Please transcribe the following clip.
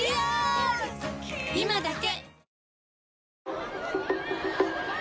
今だけ！